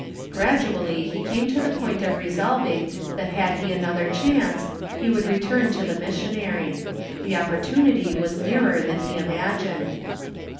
Gradually he came to the point of resolving that had he another chance he would return to the missionary. The opportunity was nearer than he imagined.